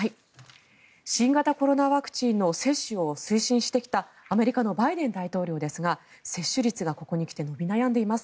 新型コロナワクチンの接種を推進してきたアメリカのバイデン大統領ですが接種率がここに来て伸び悩んでいます。